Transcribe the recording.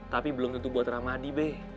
tapi belum tentu buat ramadi be